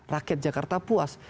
rakyat jakarta puas